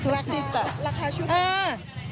ราคาชุดหรือ